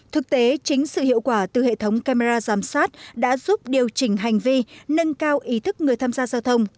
thực tế chính sự hiệu quả từ hệ thống camera giám sát đã giúp điều chỉnh hành vi nâng cao ý thức người tham gia giao thông